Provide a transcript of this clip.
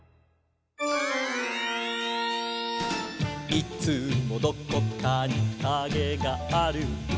「いつもどこかにカゲがある」